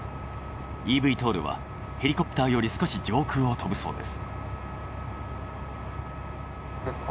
ｅＶＴＯＬはヘリコプターより少し上空を飛ぶそうです。